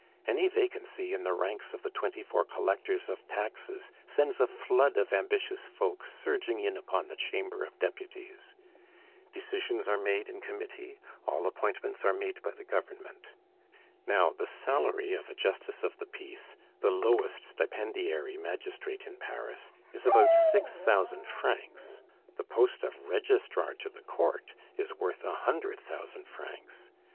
Any vacancy in the ranks of the twenty four collectors of taxes sends a flood of ambitious folk surging in upon the Chamber of Deputies. Decisions are made in committee, all appointments are made by the Government. Now the salary of a justice of the peace, the lowest stipendiary magistrate in Paris, is about six thousand francs. The post of registrar to the court is worth a hundred thousand francs.